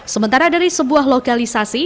sementara dari sebuah lokalisasi